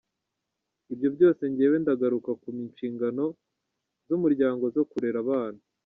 Ibyo byose njyewe ndagaruka ku nshingano z’umuryango zo kurera abana.